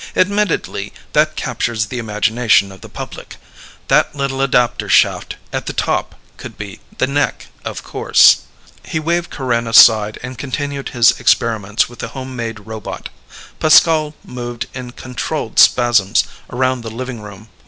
Admittedly that captures the imagination of the public. That little adapter shaft at the top could be the neck, of course...." He waved Corinne aside and continued his experiments with the home made robot. Pascal moved in controlled spasms around the living room.